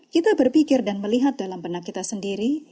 kita berpikir dan melihat dalam benak kita sendiri